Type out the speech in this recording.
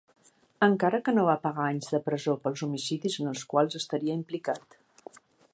Encara que no va pagar anys de presó pels homicidis en els quals estaria implicat.